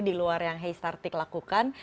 di luar yang heystartik lakukan